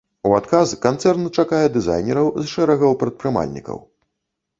У адказ канцэрн чакае дызайнераў з шэрагаў прадпрымальнікаў.